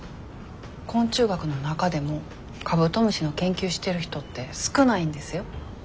昆虫学の中でもカブトムシの研究してる人って少ないんですよ。